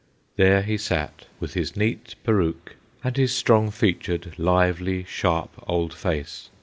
There he sat, with his neat peruke, and his strong featured, lively, sharp old face.